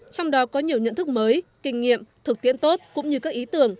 trong đó có nhiều nhận thức mới kinh nghiệm thực tiễn tốt cũng như các ý tưởng